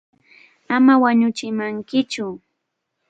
Ama wañuchiwaychikchu.